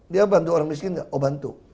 dia bantu orang miskin oh bantu